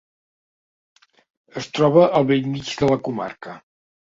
Es troba al bell mig de la comarca.